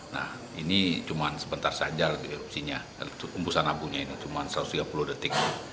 nah ini cuma sebentar saja erupsinya embusan abunya ini cuma satu ratus tiga puluh detik